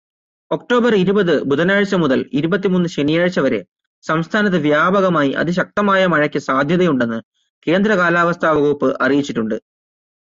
October ഇരുപത് ബുധനാഴ്ച മുതൽ ഇരുപത്തിമൂന്ന് ശനിയാഴ്ച വരെ സംസ്ഥാനത്ത് വ്യാപകമായി അതിശക്തമായ മഴയ്ക്ക് സാധ്യതയുണ്ടെന്ന് കേന്ദ്രകാലാവസ്ഥാവകുപ്പ് അറിയിച്ചിട്ടുണ്ട്.